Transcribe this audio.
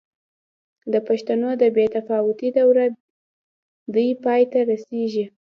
د پښتو د بې تفاوتۍ دوره دې پای ته رسېږي.